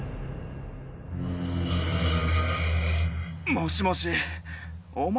もしもし？お前